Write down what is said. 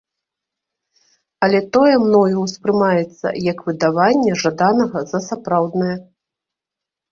Але тое мною ўспрымаецца як выдаванне жаданага за сапраўднае.